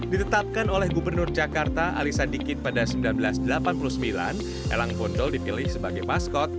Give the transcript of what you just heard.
ditetapkan oleh gubernur jakarta ali sadikin pada seribu sembilan ratus delapan puluh sembilan elang bondol dipilih sebagai maskot